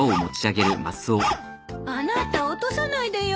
あなた落とさないでよ。